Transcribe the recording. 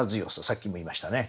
さっきも言いましたね。